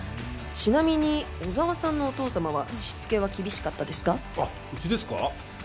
ちなみに小澤さんのお父様はしつけは厳しかったですか？